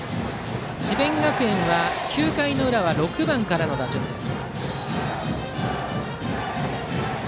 智弁学園は９回の裏は６番からの打順です。